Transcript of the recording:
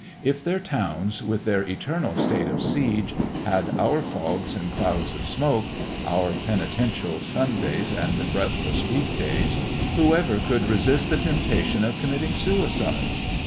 If their towns, with their eternal state of siege, had our fogs and clouds of smoke, our penitential Sundays and breathless week days, whoever could resist the temptation of committing suicide?